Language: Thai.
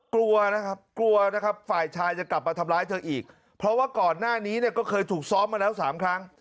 กลัวนะครับกลัวนะครับฝ่ายชายจะกลับมาทำร้ายเธออีกเพราะว่าก่อนหน้านี้เนี่ยก็เคยถูกซ้อมมาแล้วสามครั้ง